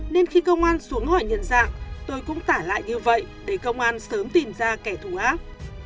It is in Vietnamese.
nên khi công an xuống hỏi nhận dạng tôi cũng tả lại như vậy để công an sớm tìm ra kẻ thù ác